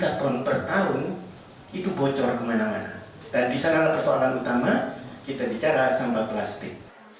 dan di sana persoalan utama kita bicara sambal plastik